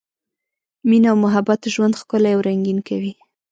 مینه او محبت ژوند ښکلی او رنګین کوي.